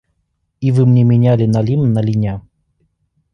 И вы мне меняли налим на линя.